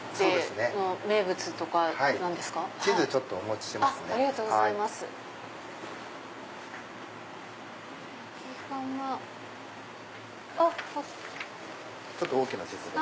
ちょっと大きな地図で。